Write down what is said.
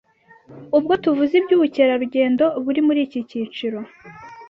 Ubwo tuvuze iby’ubukerarugendo buri muri iki cyiciro,